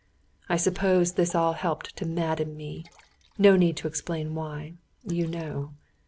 I suppose this all helped to madden me. No need to explain why. You know.